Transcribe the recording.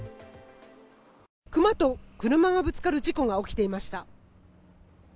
クマと車がぶつかる事故が起きていました。